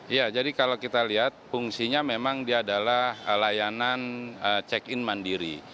iya jadi kalau kita lihat fungsinya memang dia adalah layanan check in mandiri